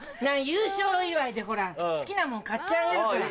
優勝祝いでほら好きなもん買ってあげるから。